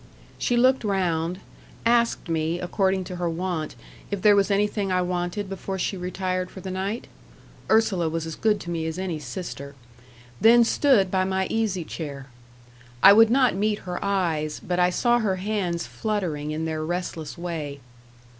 She looked round; asked me, according to her wont, if there was anything I wanted before she retired for the night? (Ursula was as good to me as any sister) then stood by my easy chair. I would not meet her eyes, but I saw her hands fluttering in their restless way.